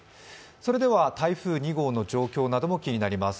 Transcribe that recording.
それでは台風２号の状況なども気になります。